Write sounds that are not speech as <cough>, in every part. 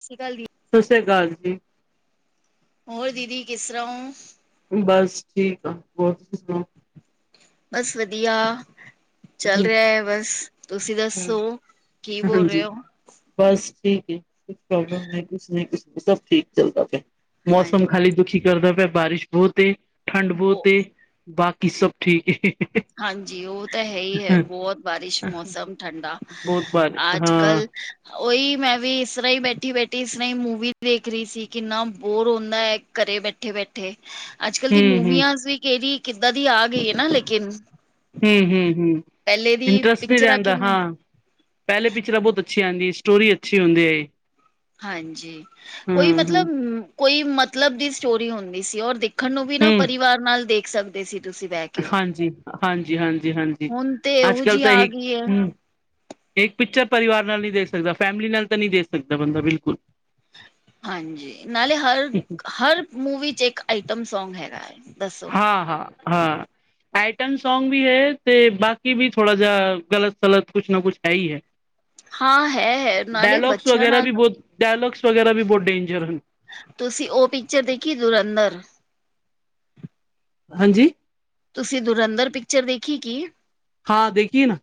ਸਸ਼੍ਰੀ ਅਕਾਲ ਜੀ ਸਸ੍ਰੀ ਅਕਾਲ ਜੀ ਹੋਰ ਦੀਦੀ ਕਿਸ ਤਰ੍ਹਾਂ ਹੋ ਬਸ ਠੀਕ ਆ, ਹੋਰ ਤੁਸੀਂ ਸੁਣਾਓ ਬਸ ਵਧੀਆ, ਚੱਲ ਰਿਹਾ ਐ ਬਸ ਤੁਸੀਂ ਚਲੋ ਦੱਸੋ, ਕੀ ਬੋਲ ਰਹੇ ਹਾਂਜੀ, ਓ ਬਸ ਠੀਕ ਏ, ਕੁਛ ਪ੍ਰੋਬਲਮ ਨੀ, ਕੁਛ ਨੀ, ਸਭ ਠੀਕ ਚੱਲਦਾ ਪਿਆ ਮੌਸਮ ਹਾਂਜੀ ਖਾਲੀ ਦੁਖੀ ਕਰਦਾ ਪਿਆ, ਬਾਰਿਸ਼ ਬਹੁਤ ਤੇ ਠੰਡ ਵੋ ਬਹੁਤ ਤੇ ਬਾਕੀ ਸਭ ਠੀਕ ਏ ਹਾਂਜੀ ਉਹ ਤਾਂ ਹੈ ਹੀ ਐ, ਬਹੁਤ ਬਾਰਿਸ਼, ਮੌਸਮ ਠੰਡਾ, ਬਹੁਤ ਬਾਰ ਆਜ- ਹਾਂ, ਕਲ ਉਹੀ ਮੈਂ ਵੀ ਇਸ ਤਰ੍ਹਾਂ ਹੀ ਬੈਠੀ- ਬੈਠੀ ਇਸ ਤਰ੍ਹਾਂ ਹੀ ਮੂਵੀ ਵੇਖ ਰਹੀ ਸੀ, ਕਿੰਨਾ ਬੋਰ ਹੁੰਦਾ ਐ ਘਰੇ ਬੈਠੇ -ਬੈਠੇ, ਅੱਜ -ਕੱਲ ਦੀ ਹਮ ਹਮ ਮੂਵੀਆਂ ਸ ਵੀ ਕਿਹਦੀ, ਕਿੱਦਾਂ ਦੀ ਆ ਗਈ ਹੈ ਨਾ ਲੇਕਿਨ ਹਮ- ਹਮ -ਹਮ ਪਹਿਲੇ ਦੀ ਇੰਟਰਟਰਸਟ ਵੀ ਪਿਕਚਰਾਂ ਰਹਿੰਦਾ ਕਿੰਨੀ ਹਾਂ। ਪਹਿਲੇ ਪਿਕਚਰਾਂ ਬਹੁਤ ਅੱਛੀਆਂ ਆਉਂਦੀ, ਸਟੋਰੀ ਅੱਛੀ ਹੁੰਦੀ ਏ ਹਾਂਜੀ, ਕੋਈ ਮਤਲਬ, ਕੋਈ ਮਤਲਬ ਦੀ ਸਟੋਰੀ ਹੁੰਦੀ ਸੀ ਔਰ ਦੇਖ ਦੇਖਣ ਨੂੰ ਵੀ ਨਾ ਹਮ, ਪਰਿਵਾਰ ਨਾਲ ਦੇਖ ਸਕ ਸਕਦੇ ਸੀ ਤੁਸੀਂ ਬਹਿ ਕੇ, ਹਾਂਜੀ, ਹਾਂਜੀ, ਹਾਂਜੀ, ਹਾਂਜੀ, ਹੁਣ ਤੇ ਅੱਜ ਇਹੋ ਕੱਲ ਜਿਹੀ ਤਾਂ ਆ ਇਹੀ ਗਈ ਏ <inaudible> ਹਮ ਇੱਕ ਪਿਕਚਰ ਪਰਿਵਾਰ ਨਾਲ ਨਹੀਂ ਦੇਖ ਸਕਦਾ, ਫੈਮਿਲੀ ਨਾਲ ਤਾਂ ਨਹੀਂ ਦੇਖ ਸਕਦਾ ਬੰਦਾ ਬਿਲਕੁਲ ਹਾਂਜੀ, ਨਾਲੇ ਹਰ, ਹਰ ਮੂਵੀ 'ਚ, ਇੱਕ ਆਈਟਮ ਸੌਂਗ ਹੈਗਾ ਏ ਹਾਂ -ਹਾਂ -ਹਾਂ ਆਈਟਨ ਸੌਂਗ ਵੀ ਹੈ, ਤੇ ਬਾਕੀ ਵੀ ਥੋੜਾ ਜਿਹਾ ਗਲਤ- ਸਲਤ ਕੁਛ ਨਾ ਕੁਛ ਹੈ ਹੀ ਐ ਹਾਂ ਹੈ ਨਾਲੇ ਬੱਚਿਆਂ ਵਗੈਰਾ ਨਾਲ ਵੀ ਬਹੁਤ ਡਾਇਲੋਗਸ ਵਗੈਰਾ ਵੀ ਬੋ ਡੇਂਜਰ ਹਨ। ਤੁਸੀਂ ਓ ਪਿਚਰ ਦੇਖੀ ਦੁਰੰਦਰ ਹਾਂਜੀ ਤੁਸੀਂ ਦੁਰੰਦਰ ਪਿਚਰ ਦੇਖੀ ਕੀ ਹਾਂ ਦੇਖੀਏ ਨਾ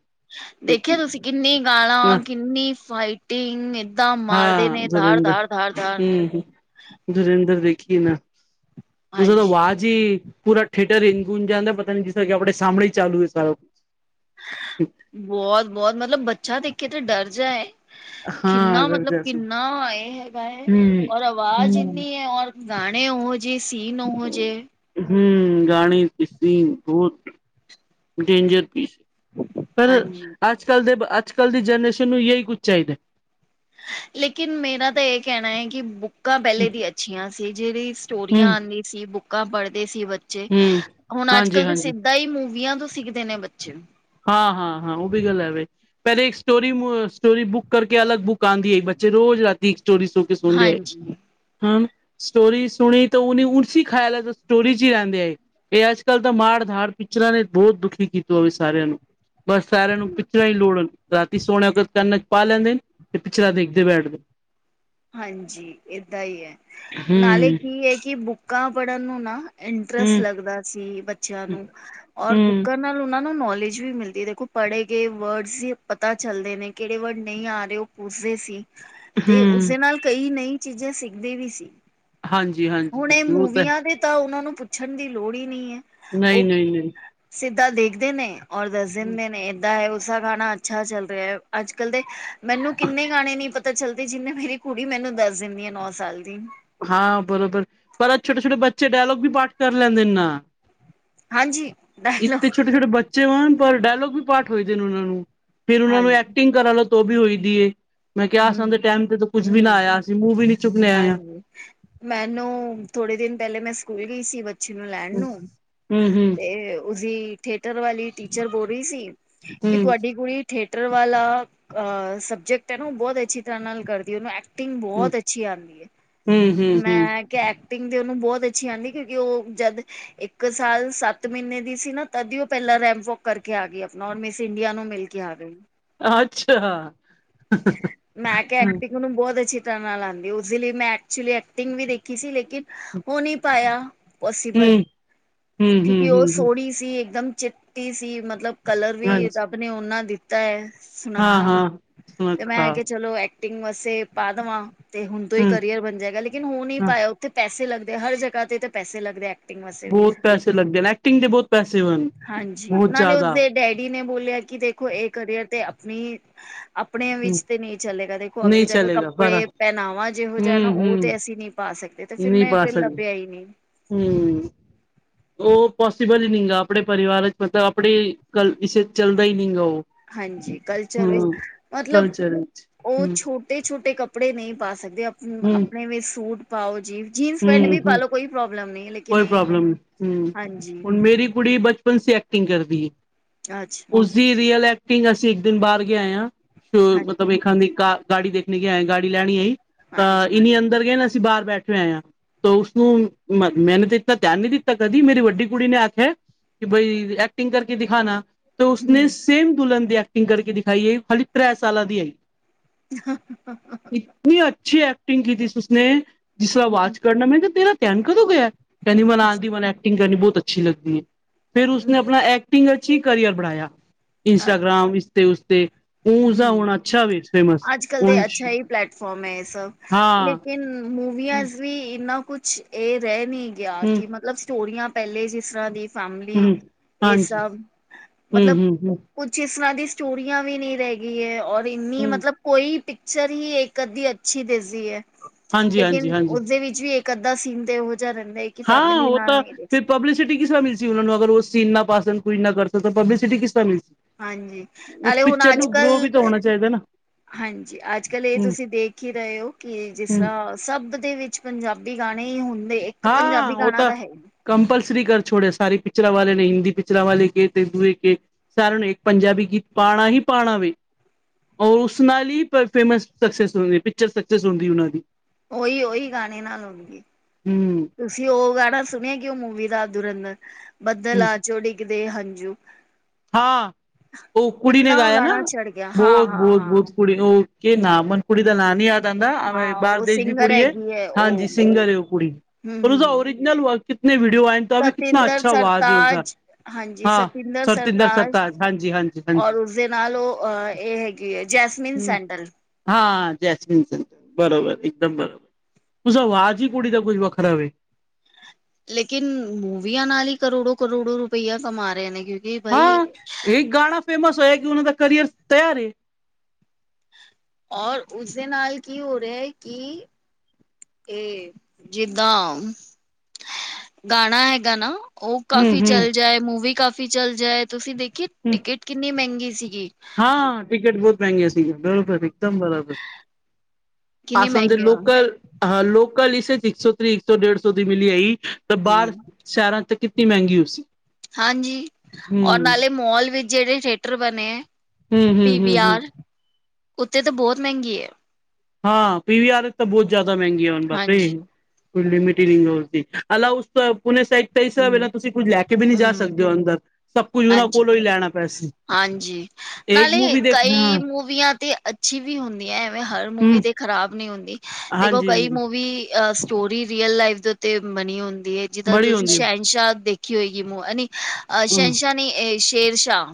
ਦੇਖਿਆ ਦੇਖੀਏ ਤੁਸੀਂ ਕਿੰਨੀ ਗਾਲਾ ਕਿੰਨੀ ਫਾਈਟਿੰਗ ਏ। ਤਾਂ ਦਾਂ ਮਾਰਦੇ ਹਾਂ ਨੇ ਧਾਰ-ਧਾਰ-ਧਾਰ-ਧਾਰ ਦੁਰੰਧਰ ਦੇਖੀ ਏ ਨਾ ਉਸਦਾ ਤਾਂ ਹਾਂਜੀ ਵਾਜ਼ ਈ ਪੂਰਾ ਥਏਟਰ ਇਨ ਗੂੰਜ ਜਾਂਦਾ ਪਤਾ ਨਈ ਸੀ ਕੇ ਆਪ ਸਾਮਣੇ ਈ ਚਾਲੂ ਏ ਸਾਰਾ ਕੁਛ ਬੋਤ-ਬੋਤ ਮਤਲਬ ਬੱਚਾ ਦੇਖ ਕੇ ਤੇ ਡਰ ਜਾਏ। ਹਾਂ ਕਿੰਨਾ ਮਤਲਬ ਜ਼ਬਰਦਸਤ ਕਿੰਨਾ ਐ ਹੈਗਾ ਏ ਹੂੰ ਔਰ ਆਵਾਜ਼ ਹੂੰ ਇੰਨੀ ਐ ਔਰ ਗਾਣੇ ਉਹੋ ਜੇਏ ਸੀਨ ਉਹੋ ਜੇਏ ਹੂੰ ਗਾਣੇ ਤੇ ਸੀਨ ਬੋਤ ਡੇਂਜਰ ਪੀ ਪਰ ਹਾਂਜੀ। ਅੱਜ ਕੱਲ੍ਹ ਦੇ ਅੱਜ ਕੱਲ੍ਹ ਦੀ ਜਨਰੇਸ਼ਨ ਨੂੰ ਇਹੀ ਕੁਝ ਚਾਈਦਾ। ਲੇਕਿਨ ਮੇਰਾ ਤਾਂ ਏ ਕੈਣਾ ਏ ਕਿ ਬੁੱਕਾਂ ਪੈਲੇ ਦੀ ਅੱਛੀਆਂ ਸੀ ਜੇੜੀ ਸਟੋਰੀਆਂ ਆਂਦੀ ਸੀ ਬੁੱਕਾਂ ਪੜ੍ਹਦੇ ਸੀ ਬ ਬੱਚੇ ਹੂੰ, ਹੁਣ ਅੱਜ ਕੱਲ੍ਹ ਤਾਂ ਹਾਂਜੀ-ਹਾਂਜੀ, ਸਿੱਧਾ ਈ ਮੂਵੀਆਂ ਤੋਂ ਸਿੱਖਦੇ ਨੇ ਬੱਚੇ ਹਾਂ-ਹਾਂ-ਹਾਂ ਓ ਵੀ ਗੱਲ ਹੈ ਵੇ। ਪੈਲੇ ਇੱਕ ਸਟੋਰੀ ਸਟੋਰੀ ਬੁੱਕ ਕਰਕੇ ਅਲਗ ਬੁੱਕ ਆਂਦੀ ਹੈ ਇੱਕ ਬੱਚੇ ਰੋਜ਼ ਰਤੀ ਇੱਕ ਸਟੋਰੀ ਸੁ ਤੇ ਸੋਂਦੇ ਹਾਂਜੀ ਹਾਂ ਸਟੋਰੀ ਸੁਣੀ ਤਾਂ ਉਨੇ ਉਸੀ ਖਾਇਲ ਜੋ ਸਟੋਰੀ 'ਚ ਈ ਰੈਂਦਿਆ ਹੈ। ਏ ਅੱਜ ਕੱਲ੍ਹ ਤਾਂ ਮਾੜ ਧਾੜ ਪਿਚਰਾਂ ਨੇ ਬੋਤ ਦੁਖੀ ਕੀਤਾ ਹੋਏ ਸੀ। ਸਾਰਿਆਂ ਨੂੰ ਬਸ ਸਾਰਿਆਂ ਨੂੰ ਪਿਚਰਾਂ ਈ ਲੋੜ ਹੁੰਦ ਰਾਤੀ ਸੋਨ ਕੰਨਾਂ 'ਚ ਪਾ ਲੈਂਦੇ ਨੇ ਤੇ ਪਿਚਰਾਂ ਦੇਖਦੇ ਬੈਠਦੇ ਹਾਂਜੀ ਏਦਾਂ ਈ ਏ ਨਾਲੇ ਹੂੰ, ਕੀ ਏ ਕਿ ਬੁੱਕਾਂ ਪੜ੍ਹਨ ਨੂੰ ਨਾ ਇੰਟਰਸਟ ਹੂੰ, ਲੱਗਦਾ ਸੀ ਬੱਚਿਆਂ ਹੂੰ, ਨੂੰ ਔਰ ਬੁੱਕਰ ਨਾਲ ਉਨਾਂ ਨੂੰ ਨੌਲੇਜ ਵੀ ਮਿਲਦੀ ਦੇਖੋ ਪੜ੍ਹੇ ਗਏ ਵਰਡਸ ਈ ਪਤਾ ਚੱਲਦੇ ਨੇ ਕੇੜੇ ਵਰਡ ਨਈ ਆ ਰਏ ਓ ਪੁੱਛਦੇ ਸੀ ਤੇ ਹੂੰ, ਉਸਦੇ ਨਾਲ ਕਈ ਨਈ ਚੀਜ਼ਾਂ ਸਿੱਖਦੇ ਵੀ ਸੀ। ਹਾਂਜੀ ਹਾਂ। ਹੁਣ ਏ ਮੂਵੀਆਂ ਦੇ ਤਾਂ ਉਨਾਂ ਨੂੰ ਪੁੱਛਣ ਦੀ ਲੋੜ ਈ ਨਈ ਐ। ਨਈ-ਨਈ-ਨਈ ਸਿੱਧਾ ਦੇਖਦੇ ਨੇ ਔਰ ਦੱਸ ਦਿੰਦੇ ਨੇ। ਦਾ ਹੈ ਉਸਦਾ ਗਾਣਾ ਅੱਛਾ ਚੱਲ ਰਿਆ ਏ ਅੱਜ ਕੱਲ ਦੇ ਮੈਨੂੰ ਕਿੰਨੇ ਗਾਣੇ ਨੀ ਪਤਾ ਚੱਲਦੇ ਜਿੰਨੇ ਮੇਰੀ ਕੁੜੀ ਮੈਨੂੰ ਦੱਸ ਦਿੰਦੀ ਆ ਨੌ ਸਾਲ ਦੀ ਹਾਂ ਬਰੋਬਰ ਪਰ ਛੋਟੇ-ਛੋਟੇ ਬੱਚੇ ਡਾਇਲੋਗ ਵੀ ਪਾਠ ਕਰ ਲੈਂਦੇ ਨੇ ਨਾ। ਹਾਂਜੀ ਇੱਕ ਤਾਂ ਡਾਇਲੋਗ ਛੋਟੇ-ਛੋਟੇ ਬੱਚੇ ਵਣ ਪਰ ਡਾਇਲੋਗ ਵੀ ਪਾਠ ਹੋਏਦੇ ਨੇ ਉਨਾਂ ਨੂੰ ਫਿਰ ਉਨਾਂ ਨੂੰ ਹਾਂਜੀ ਐਕਟਿੰਗ ਕਰਨ ਲਾ ਤੋ ਓ ਵੀ ਹੋਈ ਦੀ ਏ। ਮੈਂ ਕਿਆ ਅਸਾਂ ਦੇ ਹੂੰ, ਟਾਈਮ ਤੇ ਕੁੱਝ ਵੀ ਨਾ ਆਇਆ ਅਸੀ ਮੂੰਹ ਵੀ ਨੀ ਚੁੱਕਣੇ ਆਇਆ। ਹਾਂਜੀ। ਹੂੰ ਮੈਨੂੰ ਥੋੜੇ ਦਿਨ ਪੈਲੇ ਮੈਂ ਸਕੂਲ ਗਈ ਸੀ। ਪਿੱਛੇ ਨੂੰ ਲੈਣ ਹੂੰ, ਨੂੰ ਹੂੰ, ਹੂੰ, ਤੇ ਉਸਦੀ ਥਏਟਰ ਵਾਲੀ ਟੀਚਰ ਬੋਲ ਰਈ ਸੀ। ਕਿ ਹੂੰ, ਤੁਹਾਡੀ ਕੁੜੀ ਥੀਏਟਰ ਵਾਲਾ ਅ ਸਬਜੈਕਟ ਤੈਨੂੰ ਬੋਤ ਅੱਛੀ ਤਰ੍ਹਾਂ ਨਾਲ ਕਰਦੀ ਉਨੂੰ ਐਕਟਿੰਗ ਹੂੰ, ਬੋਤ ਅੱਛੀ ਆਂਦੀ ਐ ਹੂੰ, ਮੈਂ ਹੂੰ ਐਕਟਿੰਗ ਤੇ ਉਨੂੰ ਬੋਤ ਅੱਛੀ ਆਂਦੀ ਕਿਉਂਕਿ ਓ ਜਦ ਇੱਕ ਸਾਲ ਸੱਤ ਮ੍ਹੀਨੇ ਦੀ ਸੀ ਨਾ ਤਦ ਓ ਪੈਲਾਂ ਰੈਪ ਵੋਕ ਕਰਕੇ ਆ ਗਈ ਆਪਣਾ ਔਰ ਮਿਸ ਇੰਡੀਆ ਨੂੰ ਮਿਲ ਕਿ ਆਵੇ ਅੱਛਾ, ਮੈਂ ਕਿਹਾ ਹੂੰ, ਐਕਟਿੰਗ ਨੂੰ ਬੋਤ ਅੱਛੀ ਤਰ੍ਹਾਂ ਨਾਲ ਆਦੀ ਉਸਦੇ ਲਈ ਮੈਂ ਐਕਚੁਲੀ ਐਕਟਿੰਗ ਵੀ ਦੇਖੀ ਸੀ। ਔ ਨੀ ਪਾਇਆ ਪੋਸੀਬਲ ਹੂੰ, ਹੂੰ, ਹੂੰ, ਕਿਉਂਕਿ ਉਹ ਹੂੰ, ਹੂੰ ਸੋਹਣੀ ਸੀ ਇਕਦਮ ਚਿੱਟੀ ਸੀ ਮਤਲਬ ਕਲਰ ਵੀ ਹਾਂਜੀ ਰੱਬ ਨੇ ਉਹਨਾਂ ਦਿੱ ਤਾਂ ਐ, ਹਾਂ, ਸੁਨੱਖਾ ਹਾਂ ਤੇ ਮੈਂ ਸੁੱਖਾ ਕੇ ਚਲੋ ਐਕਟਿੰਗ ਵਾਸਤੇ ਪਾ ਦੇਵਾਂ। ਤੇ ਹੁਣ ਤੋਂ ਈ ਹੂੰ, ਕਰੀਅਰ ਬਣ ਜਾਏਗਾ ਲੇਕਿਨ ਹੋਣ ਨੀ ਹਾਂ। ਪਾਇਆ ਉੱਥੇ ਪੈਸੇ ਲੱਗਦੇ ਹਰ ਜਗ੍ਹਾ ਤੇ ਤਾਂ ਪੈਸੇ ਲੱਗਦੇ ਐਕਟਿੰਗ ਵਾਸਤੇ ਵੀ ਬੋਤ ਪੈਸੇ ਲੱਗਦੇ ਨੇ ਐਕਟਿੰਗ ਦੇ ਬੋਤ ਪੈਸੇ, ਹਾਂਜੀ ਬੋਤ ਨਾਲੇ ਜ਼ਿਆਦਾ ਉਸਦੇ ਡੈਡੀ ਨੇ ਬੋਲਿਆ ਕਿ ਦੇਖੋ ਇਹ ਕਰੀਅਰ ਤੇ ਆਪਣੀ ਆਪਣੇ ਹੂੰ ਵਿੱਚ ਤੇ ਨੀ ਚੱਲੇਗਾ ਦੇਖੋ ਅੱਗੇ ਨਹੀਂ ਜਾ ਕੇ ਚਲੇਗਾ ਪਰ ਕੱਪੜੇ ਪਹਿਨਾਵਾ ਜਿਹੋ ਹੂੰ ਜਿਹਾ ਨਾ ਉਹ ਤੇ ਹੂੰ ਅਸੀਂ ਨੀ ਪਾ ਸਕਦੇ ਤੇ ਫੇਰ ਨਹੀਂ ਮੈਂ ਪਾ ਫਿਰ ਸਕਦੇ ਲੱਭਿਆ ਈ ਨੀ ਹੂੰ, ਉਹ ਪੋਸਿਬਲ ਈ ਨੀ ਗਾ ਆਪਣੇ ਪਰਿਵਾਰ ਮਤਲਬ ਆਪਣੇ ਇਸੇ ਚੱਲਦਾ ਈ ਨੀ ਗਾ ਉਹ ਹਾਂਜੀ ਕਲਚਰ ਵਿੱਚ, ਹੂੰ ਮਤਲਬ ਕਲਚਰ ਵਿੱਚ ਉਹ ਛੋਟ ਹੂੰ ਛੋਟੇ-ਛੋਟੇ ਕੱਪੜੇ ਨਈ ਪਾ ਸਕਦੇ ਆਪਣੇ ਵੀ ਸੂਟ ਪਾਓ ਜੀਂ। ਹੂੰ-ਹੂੰ, ਕੋਈ ਇਹੀ ਹੈ ਪ੍ਰੋਬਲਮ ਨੀ ਹੂੰ ਹਾਂਜੀ ਹੁਣ ਮੇਰੀ ਕੁੜੀ ਬ <unintelligible> ਐਕਟਿੰਗ ਕਰਦੀ ਐ। ਅੱਛਾ, ਜੀ ਰੀਅਲ ਐਕਟਿੰਗ ਅਸੀਂ ਇੱਕ ਦਿਨ ਬਾਰ ਗਏ ਆ, ਅ ਮਤਲਬ ਇਹਾਂ ਹਾਂਜੀ ਦੀ ਗਾੜੀ ਦੇਖਣੀ ਗੇ ਆਏ ਗਾੜੀ ਲੈਣੀ ਏ, ਹਾਂਜੀ ਇੰਨੀ ਅੰਦਰ ਗਏ ਨਾ ਅਸੀਂ ਬਾਹਰ ਬੈਠੇ ਹੋਏ ਆ। ਤਾਂ ਉਸਨੂੰ ਮੈਨੂੰ ਤਾਂ ਇਨਾ ਧਿਆਨ ਨੀ ਦਿੱਤਾ ਕਦੀ ਮੇਰੀ ਵੱਡੀ ਕੁੜੀ ਨੇ ਆਖਿਆ ਕਿ ਬਾਈ ਐਕਟਿੰਗ ਕਰਕੇ ਦਿਖਾਣਾ। ਤਾਂ ਉਸਨੇ ਹਮ ਸੇਮ ਦੁਲਹਨ ਦੀ ਐਕਟਿੰਗ ਕਰਕੇ ਦਿਖਾਈ ਐ ਖਾਲੀ ਤ੍ਰੈ ਸਾਲਾਂ ਦੀ ਐ। <inaudible> ਇੰਨੀ ਅੱਛੀ ਐਕਟਿੰਗ ਕੀਤੀ ਸੀ ਉਸਨੇ ਜਿਸ ਤਰਾ ਆਵਾਜ਼ ਕਰਨਾ ਮੈਂ ਕਿਹਾ ਤੇਰਾ ਧਿਆਨ ਕਦੋਂ ਗਿਆ। ਕਹਿੰਦੀ ਮਨਾਜ ਦੀ ਮਨ ਐਕਟਿੰਗ ਕਰਨੀ ਬਹੁਤ ਅੱਛੀ ਲੱਗਦੀ ਐ ਫੇਰ ਉਸਨ ਆਪਣਾ ਐਕਟਿੰਗ ਅੱਛੀ ਕਰੀਅਰ ਬਣਾਇਆ। ਅੱਛਾ ਇੰਸਟਾਗ੍ਰਾਮ ਇਸਤੇ ਉਸਤੇ, ਊਦਾ ਹਮ ਹੁਣ ਅੱਛਾ ਵੀ ਫੇਮਸ ਹੁਣ ਫੋਮ ਐ ਇਹ ਸਭ, ਲੇਕਿਨ ਮੂਵੀਆਂ ਹੂੰ ਅਸ ਵੀ ਇੰਨਾ ਕੁਛ ਇਹ ਰਹਿ ਨੀ ਗਿਆ ਕਿ ਮਤਲਬ ਸਟੋਰੀਆਂ ਪਹਿਲੇ ਜਿਸ ਤਰ੍ਹਾਂ ਦੀ ਫੈਮਲੀ, ਹੂੰ ਇਹ ਹਾਂਜੀ ਸਭ ਹੂੰ ਮਤਲਬ ਹੂੰ ਹੂੰ ਕੁੱਛ ਇਸ ਤਰ੍ਹਾਂ ਦੀ ਸਟੋਰੀਆਂ ਵੀ ਨੀ ਰਹਿ ਗਈ ਐ ਔਰ ਇੰਨੀ ਹੂੰ ਮਤਲਬ ਕੋਈ ਪਿਚਰ ਈ ਇੱਕ ਅੱਧੀ ਅੱਛੀ ਦਿਸਦੀ ਐ ਹਾਂਜੀ ਹਾਂਜੀ ਲੇਕਿਨ ਹਾਂਜੀ ਉਸਦੇ ਵਿੱਚ ਵੀ ਇਕ ਅੱਧਾ ਸੀਂਦੇ ਉਹ ਜਿਹਾ ਰਹਿੰਦੇ। ਹਾਂ ਉਹ ਤਾਂ ਫਿਰ ਪਬਲੀਸਿਟੀ ਕਿਸ ਤਰਾ ਮਿਲ ਉਹਨਾ ਨੂੰ ਅਗਰ ਉਹ ਸੀਨ ਨਾ ਪਾਸ ਕੋਈ ਨਾ ਕਰ ਸਕਾ ਤਾਂ ਪਬਲੀਸਿਟੀ ਕਿਸ ਤਰ੍ਹਾਂ ਮਿਲ ਸਕੇ ਹਾਂਜੀ ਨਾਲੇ ਹੁਣ ਅੱਜ ਕੱਲ ਵੀ ਤਾਂ ਹੋਣਾ ਚਾਹੀਦਾ ਨਾ ਹਾਂਜੀ ਅੱਜ-ਕੱਲ ਇਹ ਹੂੰ ਤੁਸੀਂ ਦੇਖ ਈ ਰਹੇ ਹੋ ਕਿ ਜਿਸ ਹੂੰ ਤਰ੍ਹਾਂ ਸਭ ਦੇ ਵਿੱਚ ਪੰਜਾਬੀ ਗਾਣੇ ਈ ਹੁੰਦੇ ਇੱਕ ਪੰਜਾਬੀ ਗਾਣਾ ਤਾਂ ਹੈ। ਕੰਪਲਸਰੀ ਕਰ ਛੋੜੇ ਸਾਰੇ ਪਿਚਰਾਂ ਵਾਲੇ ਨੇ ਹਿੰਦੀ ਪਿਚਰਾਂ ਵਾਲੇ ਕੇ ਤੇ ਦੂਏ ਕੇ ਸਾਰਿਆਂ ਨੂੰ ਇੱਕ ਪੰਜਾਬੀ ਗੀਤ ਪਾਣਾ ਈ ਪਾਣਾ ਵੇ। ਔਰ ਉਸ ਨਾਲ ਈ ਫੇਮਸ ਸਕਸੈਸ ਹੁੰਦੀ ਐ ਪਿਚਰ ਸਕਸੈਸ ਹੁੰਦੀ ਉਹਨਾਂ ਦੀ। ਉਹੀ ਉਹੀ ਗਾਣੇ ਨਾਲ ਹੋਣ ਗੇ। ਹੂੰ ਤੁਸੀਂ ਉਹ ਗਾਣਾ ਸੁਣਿਆ ਕਿ ਉਹ ਮੂਵੀ ਦਾ ਦੁਰਅੰਦਰ ਬੱਦਲ ਆ ਚੋਡੀ? ਦੇ ਹੰਜੂ। ਹਾਂ ਓ ਕੁੜੀ ਨੇ ਗਾਏਆ ਨਾ ਗਾਣਾ ਚੜ ਗਿਆ ਹਾਂ ਹਾਂ ਹਾਂ ਬੋਤ-ਬੋਤ-ਬੋਤ ਕੁੜੀ ਓ ਕੇ ਨਾ ਮਨ ਕੁੜ ਦਾ ਨਾਂ ਨੀ ਦਾ ਐਵੇਂ ਹਾਂ ਬਾਰ ਉਹ ਦੇਸ਼ ਦੀ ਸਿੰਗਰ ਕੁੜੀ ਐ ਹੈਗੀ ਹੈ ਹਾਂਜੀ ਉਹ ਸਿੰਗਰ ਐ ਓ ਕੁੜੀ ਹਮ ਪਰ ਉਸਦਾ ਹਮ ਓਰੀਜਨਲ ਵਰਕ ਕਿਤਨੇ ਵੀਡੀਓ ਵਾਇਰਲ ਸਤਿੰਦਰ ਸਰਤਾਜ, ਹਾਂਜੀ ਹਾਂ ਸਤਿੰਦਰ ਸਰਤਾਜ ਹਾਂਜੀ ਹਾਂਜੀ ਔਰ ਹਾਂਜੀ ਉਸਦੇ ਨਾਲ ਓ ਏ ਹੈਗੀ ਐ ਜੈਸਮਿਨ ਸੈਂਡਲ। ਹਾਂ ਜੈਸਮੀਨ ਸੈਂਡਲ ਬਰੋਬਰ ਇੱਕਦਮ ਬਰੋਬਰ ਉਸਦਾ ਆਵਾਜ਼ ਹੀ ਕੁੜੀ ਦਾ ਕੁੱਝ ਵੱਖਰਾ ਵੈ। ਲੇਕਿਨ ਮੂਵੀਆਂ ਨਾਲ ਈ ਕਰੋੜੋ-ਕਰੋੜੋ ਰੁਪਈਆ ਕਮਾ ਰਏ ਨੇ ਕਿਉਕਿ ਹਾਂ ਇੱਕ ਗਾਣਾ ਫੇਮਸ ਹੋਏਆ ਕਿ ਓਨਾਂ ਦਾ ਕਰੀਅਰ ਤਿਆਰ ਐ। ਔਰ ਉਸਦੇ ਨਾਲ ਕੀ ਹੋ ਰਿਆ ਐ ਕਿ ਤੇ ਜਿੱਦਾਂ ਗਾਣਾ ਹੈਗਾ ਨਾ ਓ ਕਾਫੀ ਚੱਲ ਜਾਏ ਮੂਵੀ ਕਾਫੀ ਚੱਲ ਜਾਏ ਤੁਸੀਂ ਦੇਖੀ ਟਿਕਟ ਕਿੰਨੀ ਮੈਂਗੀ ਸੀਗੀ। ਹਾਂ ਟਿਕਟ ਬੋਤ ਮੈਂਗੀਆਂ ਸੀਗੀਆਂ ਬਰਾਬਰ ਇੱਕਦਮ ਬਰਾਬਰ। ਕਿੰਨੀ ਪਾਸ ਦੇ ਮਹਿੰਗੀ ਆ ਲੋਕਲ ਹਾ ਲੋਕਲ ਇਸੇ ਚ ਇੱਕ ਸੌ ਤੇ ਇੱਕ ਸੌ ਡੇਢ ਸੌ ਦੀ ਮਿਲੀ ਹੈਈ। ਤੇ ਬਾਰ ਹਮ ਸ਼ੈਰਾਂ ਤੇ ਕਿਤਨੀ ਮੈਂਗੀ ਓ ਸੀ। ਹਾਂਜੀ ਔਰ ਨਾਲੇ ਮੋਲ ਵਿੱਚ ਜੇੜੇ ਥੇਟਰ ਬਨੇ ਐ ਪੀ ਵੀ ਆਰ। ਓਥੇ ਤਾਂ ਬੋਤ ਮੈਂਗੀ ਐ। ਹਾਂ ਪੀ ਵੀ ਆਰ ਤਾਂ ਬੋਤ ਜ਼ਾਅਦਾ ਮੈਂਗੀ ਆ ਹੁਨ ਬਾਪਰੇ। ਹਾਂਜੀ ਉਸ ਦੀ ਅਲ ਉਸ ਪੂਨੇ ਸਾਈਡ ਇਸ ਸਾਬ ਹਮ ਨਾਲ ਤੁਸੀਂ ਕੁੱਝ ਲੈ ਕੇ ਵੀ ਨੀ ਜਾ ਹਮ ਸਕਦੇ ਓ ਅੰਦਰ ਸਬ ਕੁੱਝ ਓਨਾਂ ਹਾਂਜੀ ਕੋਲੋਂ ਈ ਲੈਨਾ ਪਿਆ ਸੀ। ਹਾਂਜੀ ਨਾਲੇ ਕਈ ਹਾਂ ਮੂਵੀਆਂ ਤੇ ਅੱ ਅੱਛੀ ਵੀ ਹੁੰਦੀ ਐ ਐਵੇਂ ਹਰ ਮੂਵੀ ਹੂੰ ਤੇ ਖਰਾਬ ਨੀ ਹੁੰਦੀ ਦੇਖੋ ਹਾਂਜੀ ਕਈ ਹਾਂਜੀ ਮੂਵੀ ਅ ਸਟੋਰੀ ਰੀਅਲ ਲਾਈਫ ਦੇ ਉੱਤੇ ਬਨੀ ਹੁੰਦੀ ਐ ਜਿੱਦਾਂ ਬੜੀ ਤੁਸੀਂ ਹੁੰਦੀ ਹੈ। ਸ਼ਨਸ਼ਾਹ ਦੇਖੀ ਹੋਏਗੀ ਮ ਅ ਹੂੰ ਸ਼ਨਸ਼ਾਹ ਨੀ ਸ਼ੇਰ ਸ਼ਾਹ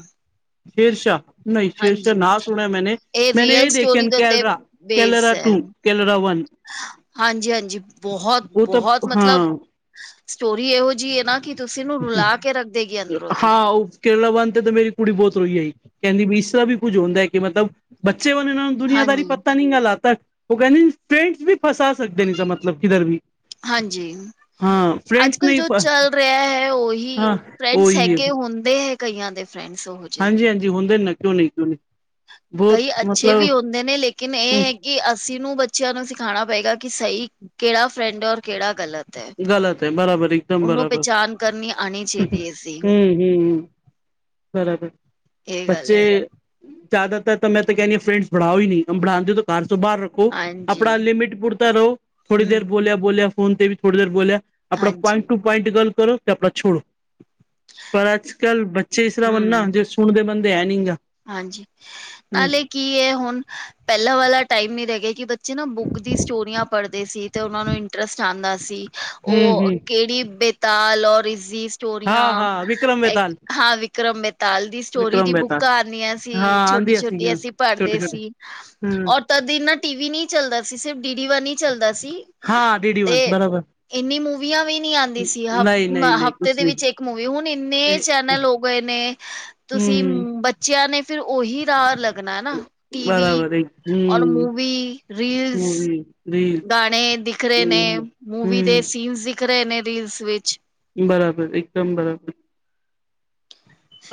ਸ਼ੇਰ ਸ਼ਾਹ ਨਈਂ ਸ਼ੇਰ ਸ਼ਾਹ ਨਾ ਸੁਨੇਆ ਮੈਨੇ ਇਹ ਮੈਨੇ ਰੀਅਲ ਏ ਦੇਖੇਆ ਸਟੋਰੀ ਦੇ ਉੱਤੇ ਬੇਸ ਕੈਲਰਾ-ਕੈਲਰਾ ਹੈ। ਟੂ। ਕੇਲਰਾ ਵਨ। ਹਾਂਜੀ-ਹਾਂਜੀ ਬੋਹਤ ਬੋਹਤ ਮਤਲਬ ਸਟੋਰੀ ਇਹੋ ਜੀ ਐ ਨਾ ਕਿ ਤੁਸੀਂ ਨੂੰ ਰੁਲਾ ਕੇ ਰੱਖ ਦੇਗੀ ਅੰਦਰੋਂ ਦੀ। ਹਾਂ ਉਹ ਕੇਰਲਾ ਵਨ ਤੇ ਤੇ ਮੇਰੀ ਕੁੜੀ ਬੋਤ ਰੋਈ ਹੋਈ ਕੈਂਦੀ ਵੀ ਇਸ ਤਰਾਂ ਵੀ ਕੁੱਝ ਹੁੰਦਾ ਐ ਕਿ ਮਤਲਬ ਬੱਚੇ ਵਨ ਏਨਾਂ ਨੂੰ ਦੁਨੀਆਂਦਾਰੀ ਪਤਾ ਨੀ ਨਾ ਲਗਦਾ ਓ ਕੈਂਦੇ ਨੀ ਫਰੈਂਡਸ ਵੀ ਫਸਾ ਸਕਦੇ ਨੇ ਮਤਲਬ ਕਿਦਰ ਵੀ। ਹਾਂਜੀ ਹਾਂ ਫਰੈਂਡਸ ਅੱਜ-ਕੱਲ ਨਹੀਂ ਜੋ ਚੱਲ ਰਿਆ ਐ ਓਹੀ ਹਾਂ ਫਰੈਂਡਸ ਉਹੀ ਹੈ ਹੈਗੇ ਹੁੰਦੇ ਹੈ ਕਈਆਂ ਦੇ ਫਰੈਂਡਸ ਓਹ ਜੇ। ਜੇ ਹੁੰਦੇ ਨਾ ਕਿਉਂ ਨੀ ਕਿਉਂ ਨੀ ਕਈ ਅੱਛੇ ਵੀ ਹੁੰਦੇ ਨੇ ਲੇਕਿਨ ਏ ਹ ਐ ਕਿ ਅਸੀਂ ਨੂੰ ਬੱਚੇਆਂ ਨੂੰ ਸਿਖਾਨਾ ਪਏਗਾ ਕਿ ਸਈ ਕੇੜਾ ਫਰੈਂਡ ਔਰ ਕੇੜਾ ਗਲਤ ਗਲਤ ਹੈ ਬਰਾਬਰ ਇੱਕਦਮ ਓਨੂੰ ਬਰਾਬਰ ਪਹਿਚਾਨ ਕਰਨੀ ਆਣੀ ਹਮ ਚਾਈਦੀ ਐ ਸੀ। ਹਮ ਹਮ ਬਰਾਬਰ ਇਹ ਗੱਲ ਬੱਚੇ ਹੈ ਜ਼ਿਆਦਾਤਰ ਮੈਂ ਤਾਂ ਕੈਨੀ ਆ ਫਰੈਂਡਸ ਬਨਾਓ ਈ ਨੀ ਹਾਂ ਬਨੋਦੇ ਘਰ ਤੋਂ ਬਾਰ ਰੋ ਹਾਂਜੀ ਆਪਨਾ ਲਿਮਿਟ ਪੂਰਤਾ ਰਓ ਥੋੜੀ ਦੇਰ ਹਮ ਬੋਲੇਆ ਬੋਲੇਆ ਫੋਨ ਤੇ ਵੀ ਥੋੜੀ ਦੇਰ ਬੋਲੇਆ। ਆਪਨਾ ਪਇਟ ਹਾਂਜੀ ਟੂ ਪਇੰਟ ਗੱਲ ਕਰੋ ਕਿ ਤੇ ਆਪਨਾ ਛੋੜੋ ਪਰ ਅੱਜ-ਕੱਲ ਜੇ ਇਸ ਤਰਾ ਬਨਨਾ ਹਮ ਜੇ ਸੁਨਦੇ ਬੰਦੇ ਹੈ ਨੀ। ਹਾਂਜੀ ਹੂੰ ਨਾਲੇ ਕੀ ਐ ਹੁਨ ਪੈਲਾਂ ਵਾਲਾ ਟਾਈਮ ਨੀ ਰੈ ਗਿਆ ਕਿ ਬੱ ਜੇ ਨਾ ਬੁੱਕ ਦੀ ਸਟੋਰੀਆਂ ਪੜਦੇ ਸੀ ਤੇ ਓਨਾ ਨੂੰ ਇੰਟਰਸਟ ਆਂਦਾ ਸੀ ਓ ਹੂੰ ਹੂੰ ਕਿ ਕੇੜੀ ਬੇਤਾਲ ਔਰ ਸਿ ਹਾਂ ਸਟੋਰੀਆਂ, ਹਾਂ ਵਿਕਰਮ ਬੇਤਾਲ ਹਾਂ ਵਿਕਰਮ ਬੇਤਾਲ ਦੀ ਸਟੋਰੀ ਵਿਕਰਮ ਦੀ ਬੁੱਕ ਬੇਤਾਲ ਕੀਆਂ ਹਾਂ ਸੀ, ਛੋਟੀ ਆਂਦੀ ਆ ਸੀ -ਛੋਟੀ ਅਸੀਂ ਛੋਟੇ ਪੜ੍ਹਦੇ ਛੋਟੇ ਸੀ, ਹੂੰ ਔਰ ਤਦ ਇਨਾ ਟੀ -ਵੀ ਨੀ ਚੱਲਦਾ ਸੀ, ਸਿਰਫ ਡੀ ਡੀ ਵਨ ਈ ਚੱਲਦਾ ਸੀ। ਹਾਂ ਡੀਡੀ ਵਨ ਤੇ ਬਰਾਬਰ ਇੰਨੀ ਮੂਵੀਆਂ ਵੀ ਨ ਆਂਦੀ ਸੀ ਹ ਨਹੀਂ ਨਹੀਂ ਨਹੀਂ ਹਫ਼ਤੇ ਕੁਛ ਦੇ ਵਿੱਚ ਨਹੀਂ ਇੱਕ ਮੂਵੀ ਹੁਣ ਇੰਨੇ ਚੈਨਲ ਹੋ ਗਏ ਨੇ ਤੁਸੀਂ ਹੂੰ ਬੱਚਿਆਂ ਨੇ ਫਿਰ ਉਹੀ ਰਾਹ ਲੱਗਾ ਲੱ ਹੈ ਨਾ ਟੀਵੀ ਬਰਾਬਰ ਔਰ ਮੂਵੀ, ਰੀਲਸ ਨਹੀਂ ਗਾਣੇ ਦਿਖ ਰਹੇ ਨੇ, ਮੂਵੀ ਦੇ ਸੀਨਸ ਦਿਖ ਰਹੇ ਨੇ ਰੀਲਸ ਵਿੱਚ ਬਰਾਬਰ ਇੱਕਦਮ ਬਰਾਬਰ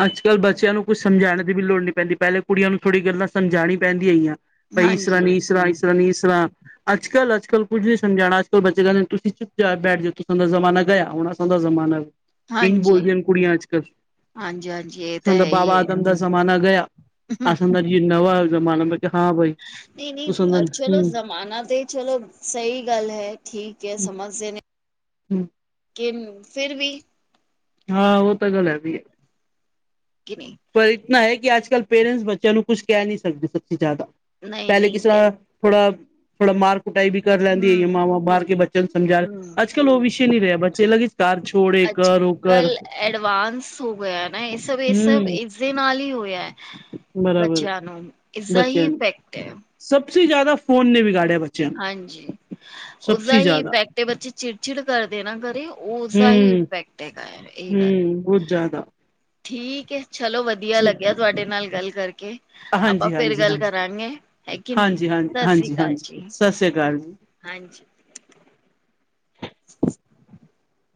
ਅੱਜ- ਕੱਲ੍ਹ ਬੱਚਿਆਂ ਨੂੰ ਕੁੱਛ ਸਮਝਾਉਣ ਦੀ ਵੀ ਲੋੜ ਨਹੀਂ ਪੈਂਦੀ, ਪਹਿਲੇ ਕੁੜੀਆਂ ਨੂੰ ਥੋੜ੍ਹੀ ਗੱਲਾਂ ਸਮਝਾਣੀ ਪੈਂਦੀਆਂ ਹੈਈਆਂ। ਭਈ ਇਸਈਸਰਾ ਹਾਂਜੀ ਨੀ ਇਸਸਰਾ, ਇਸ ਤਰਾ ਨੀ ਇਸ ਤਰਾ ਅੱਜ -ਕੱਲ, ਅੱਜ -ਕੱਲ ਕੁੱਝ ਨਹੀਂ ਸਮਝਣਾ ਅਜ-ਕੱਲ ਬੱਚੇ ਕਿੰਦੇ ਤੁਸੀਂ ਚੁਪ ਜਾ ਬੈਠ ਜਾ ਤੁਂ ਦਾ ਜਮਾਨਾ ਗਿਆ ਹੁਣ ਦਾ ਜ਼ਮਾਨਾ ਇੰਝ ਹਾਂਜੀ, ਬੋਲਦੀਆਂ ਨੇ ਕੁੜੀਆਂ ਅੱਜ ਕੱਲ੍ਹ ਹਾਂਜੀ ਹਾਂਜੀ ਇਹ ਤਾਂ ਦਾ ਹੈ ਬਾਬਾ ਹੀ ਹੈ ਆਦਮ ਦਾਸ ਜਮਾਨ ਗਿਆ, ਆਸਮਦਾਸ ਜੀ ਨਵ ਜਮਾਨ ਮੈਂ ਕਿ ਹਾਂ ਭਾਈ ਨਈ-ਨਈ ਚਲੋ ਜ਼ਮਾਨਾ ਤੇ ਚਲੋ ਸਹੀ ਗੱਲ ਹੈ, ਠੀਕ ਐ ਸਮਝਦੇ ਨੇ ਹਮ ਕਿ ਫਿਰ ਵੀ ਹਾਂ ਉਹ ਤਾਂ ਗੱਲ ਹੈ ਵੀ ਐ। ਕਿਵੇਂ ਪਰ ਇਤਨਾ ਐ ਕਿ ਅੱਜ-ਕੱਲ੍ਹ ਪੇਰੈਂਟਸ ਬੱਚਿਆਂ ਨੂੰ ਕੁਛ ਕਹਿ ਨਹੀਂ ਸਕਦੇ ਸਭਸੀ ਜ਼ਿਆਦਾ, ਨਹੀਂ ਪਹਿਲੇ ਕਿਸ ਨਹੀਂ ਕ ਤਰ੍ਹਾਂ ਥੋੜਾ, ਥੋੜਾ ਮਾਰਕ ਉਟਾਈ ਵੀ ਕਰ ਲੈਂਦੀ ਐ ਹਮ ਮਾਂਵਾਂ ਮਾਰ ਕੇ ਬੱਚਿਆਂ ਨੂੰ ਸਮਝਾ, ਹਮ ਅੱਜ- ਕੱਲ੍ਹ ਉਹ ਵਿਸ਼ੇ ਨੀ ਰਿਹਾ ਬੱਚੇ ਲੱਗੇ ਘਰ ਛੋੜੇ ਅੱਜ ਕਰ ਕਰ ਕੱਲ ਐਡਵਾਂਸ ਹੋ ਗਿਆ ਨਾ ਇਹ ਸਭ ਇਹ ਸਭ ਹਮ ਦੇ ਨਾਲ ਈ ਹੋਇਆ ਬਰਾਬਰ ਬੱਚਿਆਂ ਨੂੰ, ਇਸਦਾ ਈ ਇਫੈਕਟ ਐ। ਸਭੇ ਜ਼ਿਆਦਾ ਫੋਨ ਨੇ ਬਗਾਾੜਿਆ ਬ ਹਾਂਜੀ ਉਸਦਾ ਹੀ ਜ਼ਿਆਦਾ ਇਫੈਕਟ ਏ, ਬੱਚੇ ਚਿੜ- ਚਿੜ ਕਰਦੇ ਨਾ ਘਰੇ ਉਸਦਾ ਈ ਹਮ ਇਫੈਕਟ ਇਹੀ ਗੱਲ, ਹਮ ਬਹੁਤ ਜ਼ਿਆਦਾ ਠੀਕ ਹੈ ਚਲੋ ਵਧੀਆ ਵਧੀਆ ਲੱਗਿਆ ਠੀਕ ਤੁਹਾਡੇ ਨਾਲ ਗੱਲ ਕਰਕੇ ਆਪਾਂ ਹਾਂਜੀ ਫਿਰ ਹਾਂਜੀ ਗੱਲ ਹਾਂਜੀ ਕਰਾਂਗੇ ਹੈ ਕਿ ਨੀ ਸਸਿ ਰੀਕਾਲ ਜੀ। ਸਸਿਰੀ ਕਾਲ ਜੀ। ਹਾਂਜੀ <inaudible>